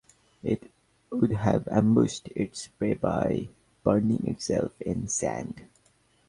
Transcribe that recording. It would have ambushed its prey by burying itself in sand.